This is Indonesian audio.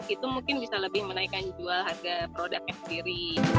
itu mungkin bisa lebih menaikkan jual harga produknya sendiri